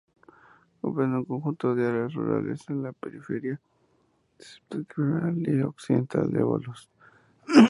Comprende un conjunto de áreas rurales en la periferia septentrional y occidental de Volos.